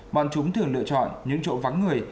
bọn chúng thường lựa chọn những chỗ vắng người